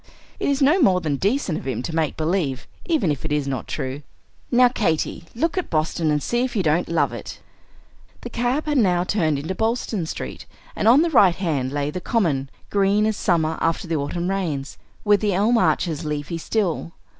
It is no more than decent of him to make believe, even if it is not true. Now, Katy, look at Boston, and see if you don't love it!" The cab had now turned into Boylston Street; and on the right hand lay the Common, green as summer after the autumn rains, with the elm arches leafy still.